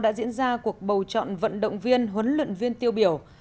đã diễn ra cuộc bầu chọn vận động viên huấn luyện viên tiêu biểu